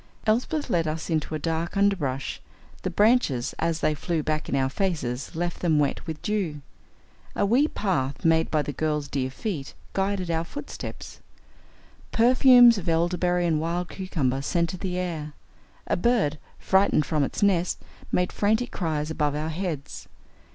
Elsbeth led us into a dark underbrush. The branches, as they flew back in our faces, left them wet with dew. A wee path, made by the girl's dear feet, guided our footsteps. Perfumes of elderberry and wild cucumber scented the air. A bird, frightened from its nest, made frantic cries above our heads.